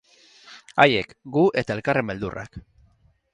Haiek, gu eta elkarren beldurrak.